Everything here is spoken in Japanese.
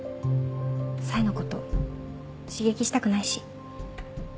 冴のこと刺激したくないし。